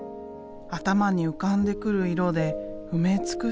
頭に浮かんでくる色で埋め尽くしていく。